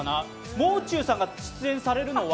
もう中さんが出演されるのは？